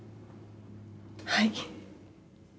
はい。